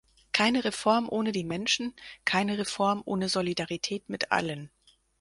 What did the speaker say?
Keine Reform ohne die Menschen, keine Reform ohne Solidarität mit allen.